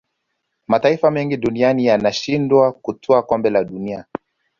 mataifa mengi duniani yanashindwa kutwaa kombe la dunia